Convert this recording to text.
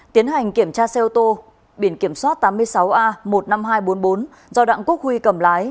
tiến hành kiểm tra xe ô tô biển kiểm soát tám mươi sáu a một mươi năm nghìn hai trăm bốn mươi bốn do đặng quốc huy cầm lái